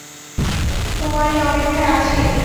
তোমারই অপেক্ষায় আছি।